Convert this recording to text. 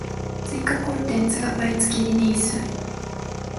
追加コンテンツが毎月リリース